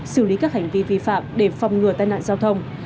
xử lý các hành vi vi phạm để phòng ngừa tai nạn giao thông